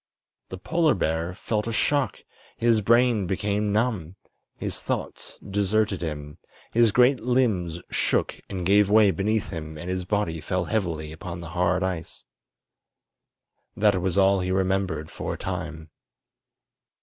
The polar bear felt a shock; his brain became numb; his thoughts deserted him; his great limbs shook and gave way beneath him and his body fell heavily upon the hard ice. That was all he remembered for a time.